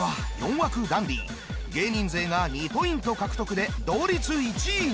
枠ダンディ芸人勢が２ポイント獲得で同率１位に。